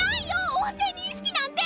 音声認識なんて！